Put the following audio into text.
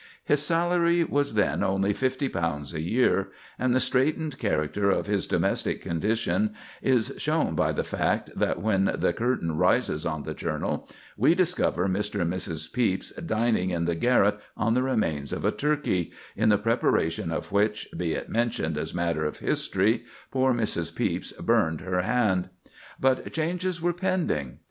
His salary was then only fifty pounds a year, and the straitened character of his domestic conditions is shown by the fact that, when the curtain rises on the journal, we discover Mr. and Mrs. Pepys dining in the garret on the remains of a turkey—in the preparation of which, be it mentioned as matter of history, poor Mrs. Pepys burned her hand. But changes were pending.